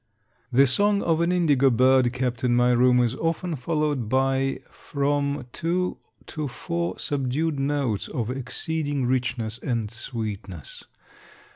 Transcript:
The song of an indigo bird, kept in my room, is often followed by from two to four subdued notes of exceeding richness and sweetness.